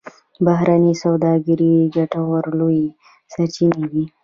بهرنۍ سوداګري د ګټو لویې سرچینې دي